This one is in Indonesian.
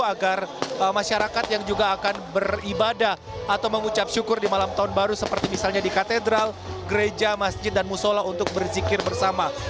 agar masyarakat yang juga akan beribadah atau mengucap syukur di malam tahun baru seperti misalnya di katedral gereja masjid dan musola untuk berzikir bersama